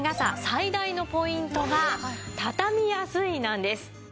最大のポイントがたたみやすいなんです。